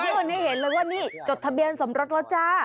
ให้เห็นเลยว่านี่จดทะเบียนสมรสแล้วจ้า